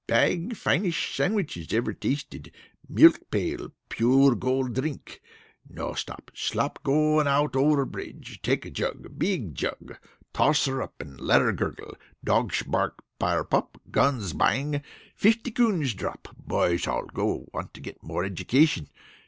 Bag finesh sandwiches ever tasted. Milk pail pure gold drink. No stop, slop out going over bridge. Take jug. Big jug. Toss her up an' let her gurgle. Dogsh bark. Fire pop. Guns bang. Fifty coons drop. Boysh all go. Want to get more education.